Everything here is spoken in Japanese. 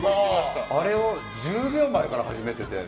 あれを１０秒前から始めてて。